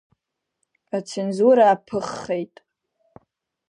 Ацензура аԥыххеит.